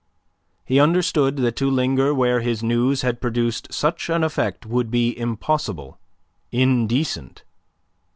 He understood that to linger where his news had produced such an effect would be impossible, indecent.